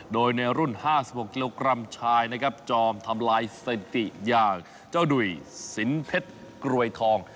โดยในรุ่น๕๖กิโลกรัมชายนะครับจอมทำลายสถิติอย่างเจ้าดุ่ยสินเพชรกรวยทอง